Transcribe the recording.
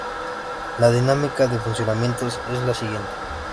La dinámica de funcionamiento es la siguiente.